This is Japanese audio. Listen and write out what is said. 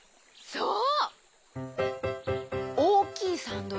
そう！